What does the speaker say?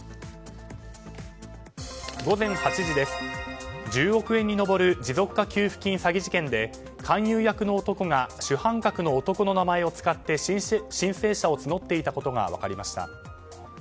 午前８時です、１０億円に上る持続化給付金詐欺事件で勧誘役の男が主犯格の男の名前を使って申請者を募っていたことが分かりました。